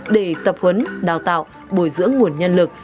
để tập huấn đào tạo bồi dưỡng nguồn nhân lực